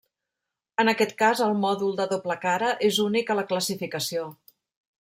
En aquest cas, el mòdul de doble cara és únic a la classificació.